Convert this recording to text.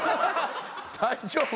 大丈夫？